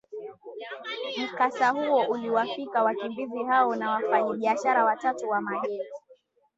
mkasa huo uliwafika wakimbizi hao na wafanyi biashara watatu wa magendo